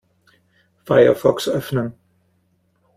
Firefox öffnen.